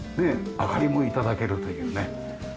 明かりも頂けるというね。